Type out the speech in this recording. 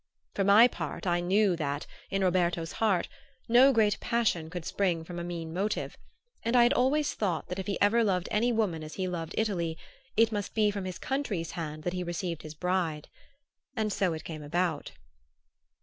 For my part I knew that, in Roberto's heart, no great passion could spring from a mean motive; and I had always thought that if he ever loved any woman as he loved Italy, it must be from his country's hand that he received his bride. And so it came about.